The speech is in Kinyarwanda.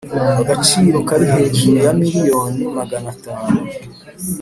Agaciro kari hejuru ya miliyoni magana atanu